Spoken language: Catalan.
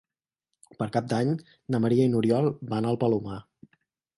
Per Cap d'Any na Maria i n'Oriol van al Palomar.